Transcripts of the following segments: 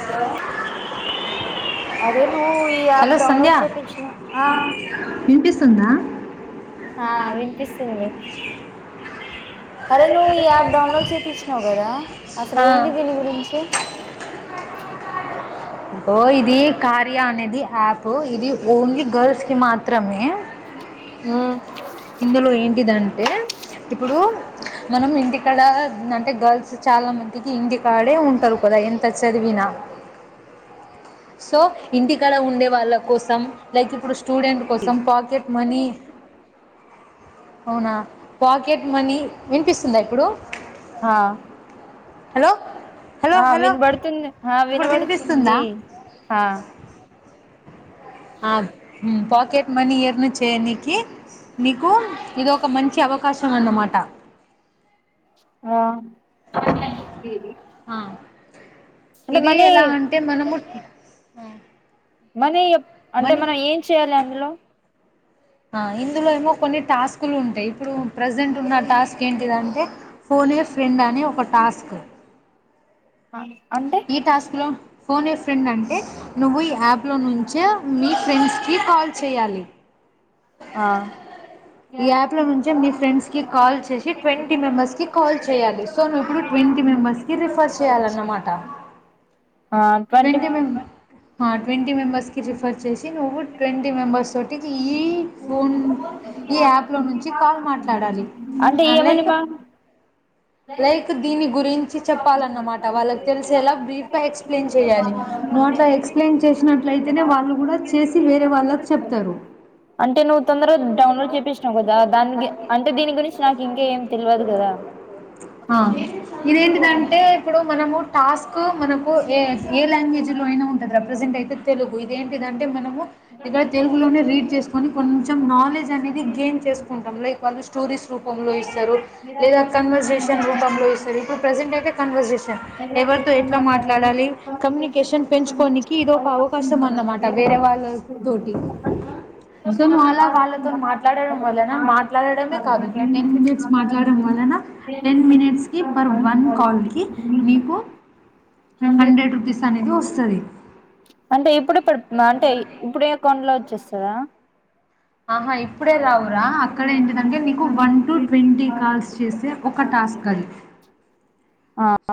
ఎంత అదే నువ్వు ఈ యాప్ డౌన్లోడ్ చేపించిన ఆ వినిపిస్తుందా ఆ వినిపిస్తుంది అరే నువ్వు ఈ యాప్ డౌన్లోడ్ చేపిచ్చినావు కదా అసలు ఏంటి దీని గురించి ఇ ఇది కార్య అనేది యాప్ ఇది ఓన్లీ గర్ల్స్ కి మాత్రమే ఇందులో ఏంటిదంటే ఇప్పుడు మనం ఇంటికాడ అంటే గర్ల్స్ చాలా మందికి ఇంటికాడే ఉంటారు కదా ఎంత చదివినా సో ఇంటి కడ ఉండే వాళ్ళ కోసం లైక్ ఇప్పుడు స్టూడెంట్ కోసం పాకెట్ మనీ అవునా పాకెట్ మనీ వినిపిస్తుందా ఇప్పుడు హా హలో ఆ వినబడుతుంది ఆ వినబడుతుంది హా ఆ పాకెట్ మనీ ఎర్న్ చేయనికి నీకు ఇదొక మంచి అవకాశం అన్నమాట ఆ ఆ ఇది ఎలా అంటే మనం ముట్త ఆ మనీ అంటే మనం ఏం చెయాలి హలో ఇందులో ఏమో కొన్ని టాస్కులు ఉంటాయి ఇప్పుడు ప్రజెంట్ ఉన్న టాస్క్ ఏంటిదంటే ఫోనే ఫ్రెండ్ అని ఒక టాస్క్ అంటే ఫోన్ వఫ్రెండ్ అంటే నువ్వు ఈ యాప్లో నుంచే మీ ఫ్రెండ్స్కి కాల్ చేయాలి ఈ యాప్ లో నుంచ మీ ఫ్రెండ్స్ కి కాల్ చేసి ట్వంటీ మెంబెర్స్ కి కాల్ చేయ్యాలి సో నువవు ఇప్పుడు ట్వంటీ మెంబెర్స్ కి రిఫర్ చేయాలన్నమాట ట్వంటీ మెం ట్వంటీ మెంబర్స్రీ డి రిఫర్ చేసి నువ్వు ట్వంటీ మెంబర్ సటికి ఈ ఫోన్ ఈ యాప్ లో నుంచి కాల్ మాట్లాడాలి అడ్ లైక్ లైక్ దీని గురించి చెప్పాలన్నమాట వాళ్ళకి తెలిసే ఎలా బ్రీఫ్గా ఎక్స్ప్లెయిన్ చేయాలి ను్ అట్లా ఎక్స్ప్లెయిన్ చేసినట్లయితేనే వాళ్ళు కూడా చేసి వేరే వాళ్ళకి చెప్తారు అంటే నువ్వు తొందరగా డౌన్లోడ్ చేపిచినావు కదా దానికి అంటే దీని గురించి నాకు ఇంకా ఏం తెలివదు కదా, ఆ ఇదేం దంటే ఇప్పుడు మనము టాస్క్ మనకు ఏ ఏ లాంగ్వేజ్ లో అయినా ఉంటదిరా ప్రజెంట్ అయి తెలుగు ఇది ఏంటిదంటే మనం ఇద తెలుగులోనే రీడ్ చేసుకొని కొంచెం నాలెడ్జ్ అనేది గైన్ చేసుకుంటాం, లైక్ వాళ్ళు స్టురీస్ రూపంలో ఇస్తారు లేదా కన్వర్జేషన్. [unintelligible] ఇప్పుడు ప్రెజెంట్ అయితే కన్వర్జేషన్ ఎవరితో ఎట్లా మాట్లాడాలి, కమ్యూనికేషన్ పెంచుకోనికి ఇది ఒక అవకాశం అన్నమాట వేరే వాళ్ళ తోటి సో నాలా వాళ్ళతోని మాట్లాడడం వల్లన మా ట్లాడడమే కాదు ఒక టెన్ మినిట్స్ మాట్లాడం వలన టెన్ మినిట్స్ కి పర్ వన్ కాల్కి నీకు హండ్రెడ్ రూపీస్ అనేది వస్తది అంటే ఇప్పుడు ఇప్పుడు అంటే ఇప్పుడ కొండలో వచ్చేస్తారా ఆహా ఇప్పుడే రావురా అక్కడ ఏంటదంటే నీకు వన్ టు ట్వంటీ కాల్స్ చేస్తే ఒక టాస్క్ అది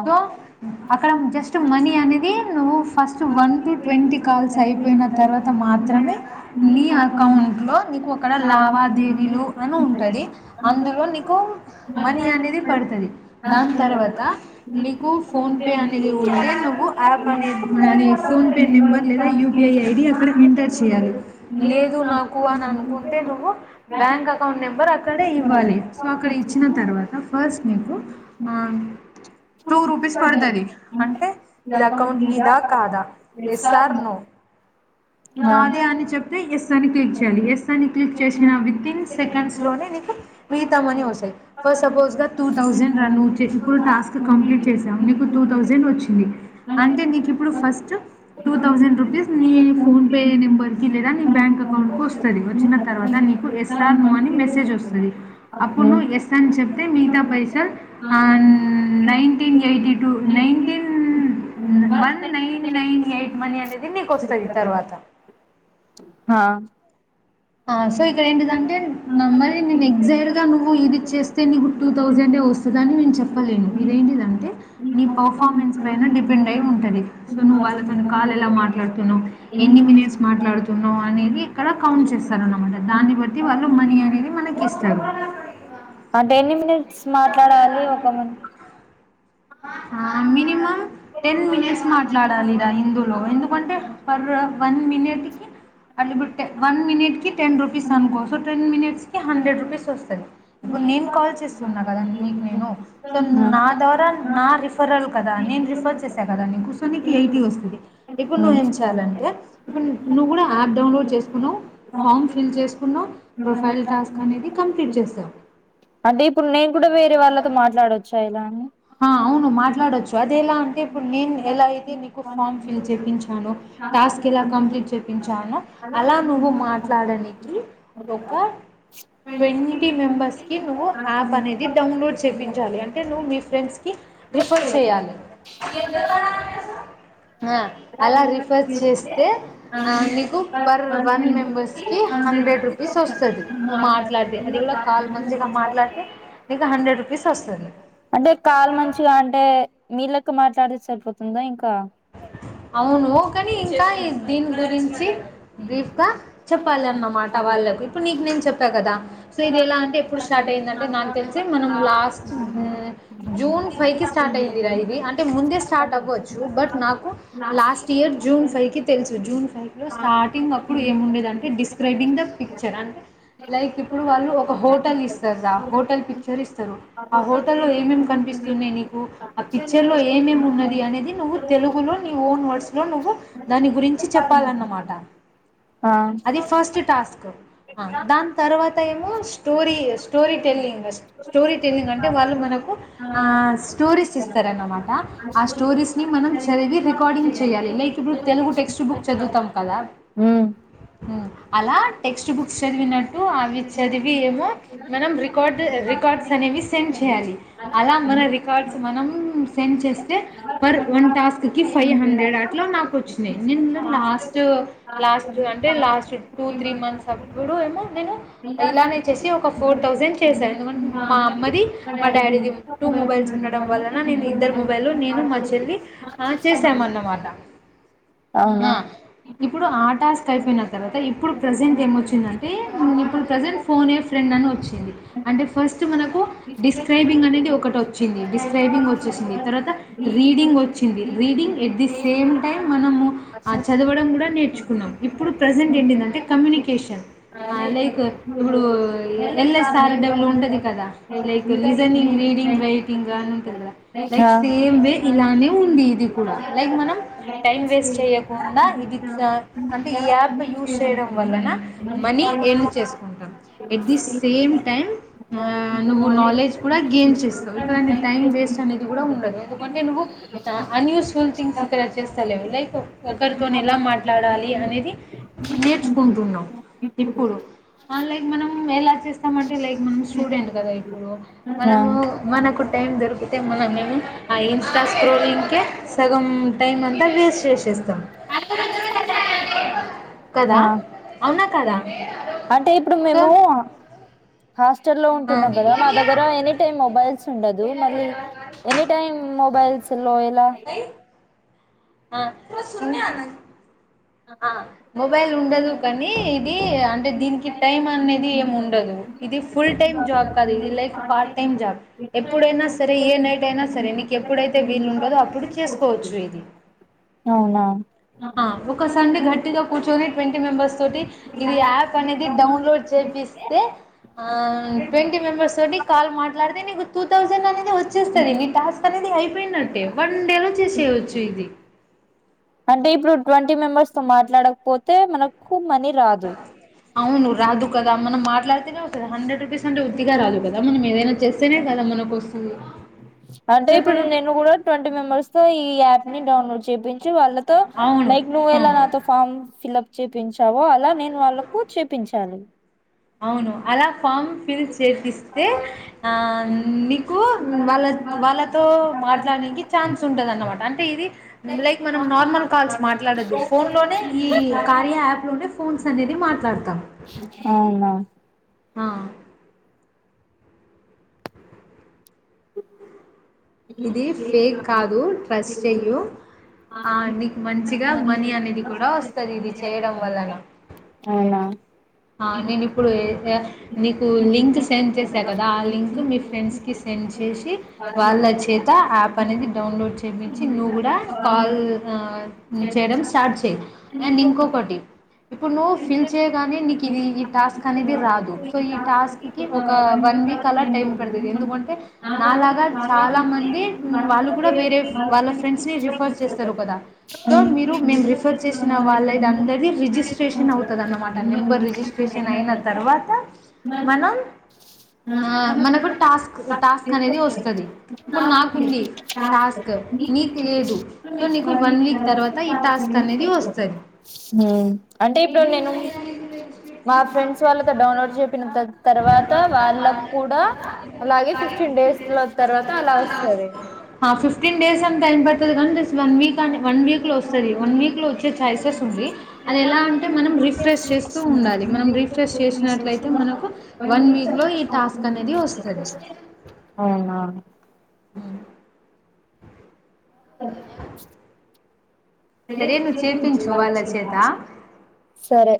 సో అక్కడ జస్ట్ మనీ అనేది నువ్వు first one to twenty calls అయిపోయిన తర్వాత మాత్రమే నీ అకౌంట్ లో నీకు అక్కడ లావాదేవీలు అని ఉంటది అందులో నీకు మనీ అనేది పడతది దాని తర్వాత నిగుూఫ్ ఫోన్పే అనేది ఉంటే నువ్వు యాప్ ని అది ఫోన్పే నెంబర్ లేదా యూపీఐ ఐడి అక్కడ ఎంటర్ చేయ్యాలి లేదు నాకు అని అనుకుంటే నువ్వు బ్యాంక్ అకౌంట్ నెంబర్ అక్కడే ఇవ్వాలి సో అక్కడ ఇచ్చిన తర్వాత ఫస్ట్ నీకు టూ రూపీస్ పడుతుంది అంటే ఇది అకౌంట్ మీదా కాదా ఎస్ ఆర్ నో నాదే అని చెప్ప్ అ ఎస్ అని క్లిక్ చేయాండి ఎస్ అని క్లిక్ చేసిన వితిన్ సెకండ్స్ లోనే నీకు మిగతావన్ని వస్తాయి ఫర్ సపోజ్గా టూ థౌజండ్ అని వచ్చేసి ఇప్పుడు టాస్క్ కంప్లీట్ చేసాం నీకు టూ థౌజండ్ వచ్చింది అంటే నీకు ఇప్పుడు ఫస్ట్ టూ థౌజండ్ రూపీస్ నీ ఫోన్పే నెంబర్కి లేదా నీ బ్యాంక్ అకౌంట్కి వస్తుంది వచ్చిన తర్వాత నీకు ఎస్ఆర్ నో అని మెసేజ్ వస్తుంది అప్పుడు నువ్వు ఎస్ అని చెప్తే మిగతా పైసాల్ and nineteen eighty two nineteen one nine nine eight money అనేది నీకు వస్తుంది తర్వాత హా సో ఇక్కడ ఏందుకంటే మిమ్మల్ని నేను ఎగ్జాట్గ్ నువ్వు ఇది చేస్తే నీకు టూ థౌసండే వస్తది అని నేను చెప్పలేను ఇదేంటిదంటే నీ పెర్ఫార్మెన్స్ పైన డిపెండ్ అయి ఉంటుంది సో నువ్వు వాళ్ళతో కాల్ ఎలా మాట్లాడుతున్నావు ఎన్ని మినిట్స్ మాట్లాడుతున్నావు అనేది ఇక్కడ కౌంట్ చేస్ స్తారనమాట దాన్ని బట్టి వాళ్ళు మనీ అనేది మనకి ఇస్తారు అంటే ఎన్ని మినిట్స్ మాట్లాడాలి ఒక మం మినిమం టెన్ మినిట్స్ మాట్లాడాలి రా ఇందులో ఎందుకంటే పర్ వన్ మినిట్ కి అ వన్ మినిట్ కి టెన్ రూపీస్ అనుకో సో టెన్ మినిట్స్ కి హండ్రెడ్ రుపీస్ వస్తాది ఇప్పుడు నేను కాల్ చేస్తున్నా కదా నీ [unintelligible] సో నా ద్వారా నా రిఫరల్ కదా నేను రిఫర్ చేసా కదా సో నీకు ఎయిటీ వస్తాది ఇప్పుడు నువ్వు ఏం చెయ్యాలంటే ఇప్పుడు నువ్వు కూడా యాప్ డౌన్లోడ్ చేసుకున్నావు ఫామ్ ఫిల్ చేసుకున్నావు ప్రొఫైల్ టాస్క్ అనేది కంప్లీట్ చేసావు అంటే ఇప్పుడు నేను కూడా వేరే వాళ్ళతో మాట్లాడవచ్చా ఇలా అని అవును మాట్లాడవచ్చు అది ఎలా అంటే ఇప్పుడు నేను ఎలా అయితే నీకు ఫామ్ ఫిల్ చేపించానొ టాస్క్ ఎలా కంప్లీట్ చేపించానో అలా నువ్వు మాట్లాడనికి ఒక ట్వంటీ మెంబెర్స్ కి నువ్వు యాప్ అనేది డౌన్లోడ్ చేపించాలి అంటే నువ్వు మీ ఫ్రెండ్స్ కి రిఫర్ చేయాలి అలా రిఫర్ చేస్తే నీకు పర్ వన్ మెంబెర్స్ కి హండ్రెడ్ రూపీస్ వస్తాది నువ్ మాట్లాడితే అది కూడా కాలు ముందుగా మాట్లాడితే నీకు హండ్రెడ్ రూపీస్ వస్తాది అంటే కాల్ మంచిగా అంటే మీళ్ళ ఇంకా మాట్లాడేతే సరిపోతుందా ఇంకా అవును కాని ఇంకా ఈ దీని గురించి బ్రీఫ్ గా చెప్పాలి అన్నమాట వాళ్ళకు ఇప్పుడు నీకు నేను చెప్పా కదా సో ఇది ఎలా అంటే ఇప్పుడు స్టార్ట్ అయ్యిందంటే నాకు తెలిసి మనం లాస్ట్ జూన్ ఫైవ్కి స్టార్ట్ అయ్యింది రా ఇవి అంటే ముందే స్టార్ట్ అవ్వచ్చు బట్ నాకు లాస్ట్ ఇయర్ జూన్ అందరికీ తెలుసు జూన్ ఫైవ్ లో స్టాంటింగ్ అప్పుడు ఏమ్ ఉండేది అంటే డిస్కారెబింగ్ ది పిక్చర్ అంటే లైక్ వాళ్ళు ఓక హొటల్ ఇస్తారు రా ఆ హోటల్ పిక్చర్ ఇస్తారు ఆ హోటల్లో ఏమ్ ఏమ్ కనిపిస్తున్నాయి నీకు ఆ పిక్చర్ లో ఏమేమి ఉన్నది అనేది నువ్వు తెలుగులో నీ ఓన్ వర్డ్స్ లో నువ్వు దాని గురించి చెప్పాలన్నమాట ఆ దాని తర్వాత ఏమో స్టోరీ స్టోరీ టేం [unintelligible] గగ్ స్టోరీ టంగ్ అంటే వాళ్ళు మన స్టరీస్ ఇస్తారమాట ఆ స్టోరీని మనం తెలుగు [unintelligible] రికార్డింగ్ చేయాలి లైక్ తెలుగు టెక్ట్స్ బుక్ చదువుతాం కదా అలా టెక్స్ట్ బుక్స్ చదివినట్టు అవి చదివి ఏమో మనం రికార్డ్ రికార్డ్స్ అనేవి సెండ్ చేయాలి అలా మన రికార్డ్స్ మనం సెండ్ చేస్తే పర్ వన్ టాస్క్ కి ఫైవ్ హండ్రెడ్ అట్లా నాకు వచ్చినాయి నిన్ను లాస్ట్ లాస్ట్ అంటే లాస్ట్ టూ త్రీ మంత్స్ అప్పుడు ఏమో నేను ఇలానే చేసి ఒక ఫోర్ థౌసండ్ చేసాను ఎందుకంటే మా అమ్మది మా డాడీది టూ మొబైల్స్ ఉండడం వలన నేను ఇద్దరు మొబైల్లో నేను మా చెల్లి ఆ చేసామన్నమాట అవునా ఇప్పుడు ఆటాస్ అయిపోయిన తర్వాత ఇప్పుడు ప్రజెంట్ ఏమొచ్చిందంటే ఇప్పుడు ప్రజెంట్ ఫోన్ ఫ్రెండ్ అని వచ్చింది అంటే ఫస్ట్ మనకు డిస్క్రైబింగ్ అనేది ఒకటి వచ్చింది డిస్ డిస్క్రైబింగ్ వచ్చేసింది తర్వాత రీడింగ్ వచ్చి సింది reading at the same time మనము చదవడం కూడా నేర్చుకున్నాం ఇప్పుడు ప్రెసెంట్ ఎంటిదంటే కమ్యూనికేషన్ ఆ లైక్ ఇప్పుడు ఎల్ ఎస్ ఆర్ డబ్లుూ ఉంటది కదా లైక్ లిసనింగ్, రీడింగ్, రైటింగ్ అనింటది కదా లైక్ సేమ్ వే ఇలానే ఉంది ఇది కూడా లైక్ మనం టైం వేస్ట్ చేయకుండా ఇది అంటే ఈ యాప్ యూస్చేయడం వలన మనీ ఎన్ చేసుకుంటావు ఎట్ ది సేమ్ టైం నువ్వు నాలెడ్జ్ కూడా గెయిన్ చేస్తావు ఇక్కడంటి టైం వేస్ట్ అనేది కూడా ఉండదు ఎందుకంటే నువ్వు అన్యూస్ఫుల్ థింగ్స్ స్క్ర్రాచెస్ ైలైక్ ఒకరితో ఎలా మాట్లాడాలి అనేది నేర్చుకుంటున్నాం ఇప్పుడు లై మనం ఎ స్తాంటే లైక్ మనం స్టూడెంట్ కదా ఇప్పుడు మనము మనకు టైం దొరికితే మన మేము ఆ ఇన్స్టా స్క్రోలింగ్ సగం టైం అంతా వేస్ట్ చేసేస్తాం ఆ అంటే ఇప్పుడు మేము హాస్టల్లో ఉంటున్నాం కదా మా దగ్గర ఎనీ టైమ్ మొబైల్స్ ఉండదు. మళ్ళీ ఎనీ టైమ్ మొబైల్స్ లో ఎలా ఆ సున్నా ఆ మొబైల్ ఉండదు. కనీ ఏ అంటే దీనికి టైమ్ అనేది ఏమి ఉండదు. ఇది ఫుల్ టైమ్ జాబ్ కాదు ఇది లైక్ పార్ట్ టైమ్ జాబ్ ఎప్పుడైనా సరే ఏ నైట్ అయినా సరే నీకు ఎప్పుడైతే అయితే వీలు ఉండదో అప్పుడు చేసుకోవచ్చు ఇది అవునా సండే గట్టిగా కూర్చొని ట్వంటీ మెంబెర్స్ తోటి ఇది యాప్ అనేది డౌన్లోడ్ చేపిస్తే, ఆ ట్వంటీ మెంబెర్స్ తోటి కాల్ మాట్లాడితే నీకు టూ థౌసండ్ అనేది వచ్చేస్తుది నీ టాస్క్ అనేది అయిపోయినట్టే వన్ డే లో చేసేయవచ్చు. ఇది అంటే ఇప్పుడు ట్వంటీ మెంబర్స్ తో మాట్లాడకపోతే మనకు కు మనీ రాదు. అవును రాదు కదా మనం మాట్లాడ్ హండ్రడ్ రూపీస్ అంటే ఉత్తిగా రాదు అంటే ఇప్పుడు నేను కూడా ట్వంటీ మెంబర్స్ తో ఈ యాప్ ని డౌన్లోడ్ చేయిపిం చి వాళ్ళక్ తే లైక్ నువేల నాతో ఫార్మ ఫిలిప్ చేపించావో అలా నెన్ వాళ్ళకు చేపించాను. అవును అలా ఫామ్ ఫిల్స్ చేపిస్తే ఆ నీకు వాళ్ళ వాళ్ళతో మాట్లాడానికి ఛాన్స్ ఉంటది అనమాట. అంటే ఇది లైక్ మనం నార్మల్ కాల్స్ మాట్లాడొద్దు ఫోన్లోనే ఈ కార్య యాప్లోనే ఫోన్స్ అనేది మాట్లాడతాం. ఆ ఇది ఫేక్ కాదు ట్రస్ట్ చేయు, ఆ నీక్ మంచిగా మనీ అనేది కూడా వస్తాది ఇది చేయడం వలన ఆ నెన్ ఇప్పుడు ఏం చెయ్యాలే? నీకు లింక్ సెండ్ చేసా కదా ఆ లింక్ మీ ఫ్రెండ్స్ కి సెండ్ చేసి, వాళ్ళ చేత యాప్ అనేది డౌన్లోడ్ చేపించి, నువ్వు కూడా కాల్ ఆ చేయడం స్టార్ట్ చేయ్ అండ్ ఇంకొకటి ఇప్పుడు నువ్వు ఫిల్ చేయగానే నీక్ ఇది ఈ టాస్క్ అనేది రాదు. సో ఈ టాస్క్కి ఒక వన్ వీక్ అలా టైం పడ్తాడి. ఎందుకంటే నాలాగా చాలామంది వాళ్ళు కూడా వేరే వాళ్ళ ఫ్రెండ్స్ని రిఫర్ చేస్తారు కదా, సో మీరు మేము రిఫర్ చేసిన వాళ్ళ ఇది అందరిది రిజిస్ టెషన్ అవుతాది అన్నమాట నెబర్ రిజిస్ట్రేషన్ అయిన తర్వాత మనం ఆ మనకు టాస్క్ టాస్క్ అనేది వస్తాది. ఇప్పుడ్ నాక్ ఉంది టాస్క్ నీకు లేదు సో నీకు వన్ వీక్ తర్వాత ఈ టాస్క్ అనేది వస్తాది. అంటే ఇప్పుడు నేను మా ఫ్రెండ్స్ వాళ్ళతో డౌన్లోడ్ చెపిన త తర్వాత వాళ్ళక్ కూడా, అలాగే ఫిఫ్టీన్ డేస్ లో తర్వాత అలా వస్తది. వేసన్ టైం పాట్ అతడి గని జస్ట్ వన్ వీక్ అని వన్ వీక్లో వస్తాది. వన్ వీక్లో వచ్చే ఛాయిసెస్ ఉంది. అది ఎలా అంటే మనం రిఫ్రెష్ చేస్తూ అవునా ఉమ్ [unintelligible] సరే